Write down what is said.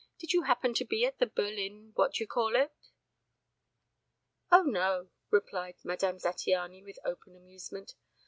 Did you happen to be at the Berlin What d'you call it?" "Oh, no," replied Madame Zattiany, with open amusement.